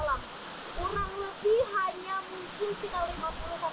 kurang lebih hanya mungkin sekitar lima puluh sampai dengan tujuh puluh cm